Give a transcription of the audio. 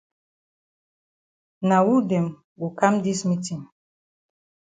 Na wu dem go kam dis meetin?